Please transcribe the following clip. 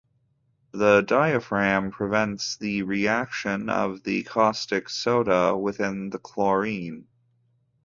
The diaphragm prevents the reaction of the caustic soda with the chlorine.